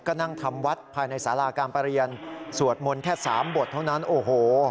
ก็นั่งทำวัดภายในสาราการประเรียนสวดมนต์แค่สามบทเท่านั้นโอ้โห